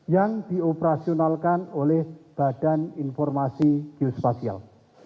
yang dioperasionalkan oleh badan informasi kiosk spasial